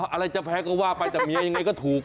อะไรจะแพ้ก็ว่าไปแต่เมียยังไงก็ถูก